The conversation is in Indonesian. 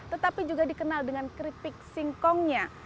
tetapi juga dikenal dengan keripik singkongnya